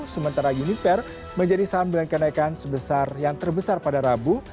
sementara uniper menjadi saham dengan kenaikan sebesar yang terbesar pada rabu